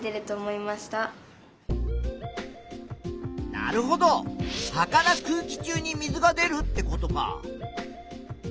なるほど葉から空気中に水が出るってことか。